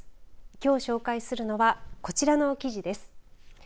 きょう紹介するのはこちらの記事です。